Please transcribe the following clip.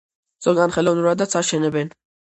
ზოგან ხელოვნურადაც აშენებენ.